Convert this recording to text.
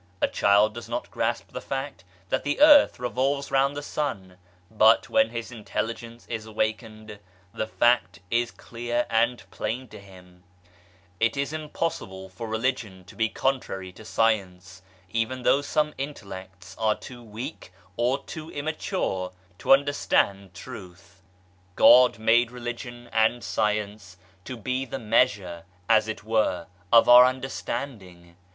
A child does not grasp the fact that the earth revolves round the sun, but, when his intelligence is awakened, the fact is clear and plain to him, It is impossible for Religion to be contrary to Science, even though some intellects are too weak or too immature to understand Truth. God made Religion and Science to be the measure, as it were, of our understanding.